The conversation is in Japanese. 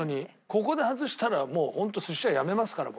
ここで外したらもうホント寿司屋やめますから僕。